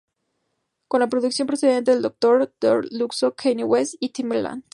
Con la producción procedente de Dr. Dre, Luxor, Kanye West y Timbaland.